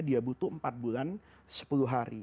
dia butuh empat bulan sepuluh hari